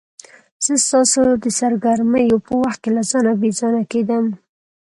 زه ستا د سرګرمیو په وخت کې له ځانه بې ځانه کېدم.